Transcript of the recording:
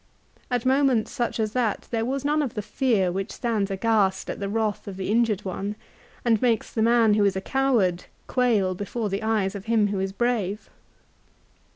At moments such as that there was none of the fear which stands aghast at the wrath of the. injured one, and makes the man who is a coward quail before the eyes of him who is brave.